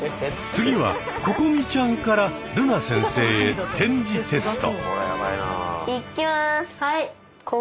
次はここみちゃんからるな先生へ点字テスト。